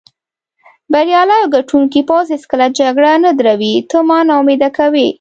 بریالی او ګټوونکی پوځ هېڅکله جګړه نه دروي، ته ما نا امیده کوې.